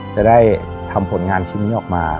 จะได้ทำผลงานชิ้นนี้ออกมา